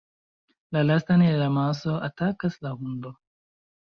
La lastan el amaso atakas la hundo.